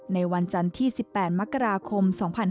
ในวันจันทร์ที่๑๘มกราคม๒๕๕๙